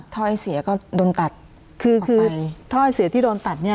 ถ้อยเสียก็โดนตัดคือคือถ้อยเสียที่โดนตัดเนี่ย